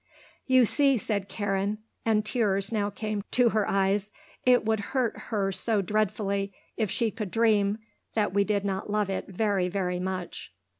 "You see," said Karen, and tears now came to her eyes, "it would hurt her so dreadfully if she could dream that we did not love it very, very much."